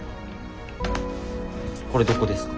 これどこですか？